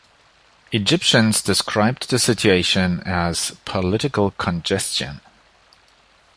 Egyptians described the situation as "political congestion".